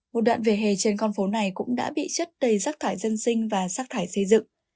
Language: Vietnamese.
một đoạn về hề trên con phố này cũng đã bị chất đầy sắc thải dân sinh và sắc thải xây dựng